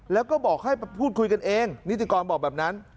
แล้วก็บอกให้พูดคุยกันเองนิติกรบอกแบบนั้น